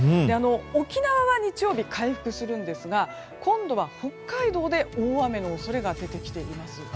沖縄は日曜日回復するんですが今度は北海道で大雨の恐れが出てきています。